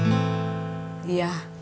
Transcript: maksudnya mbak indah gak lapar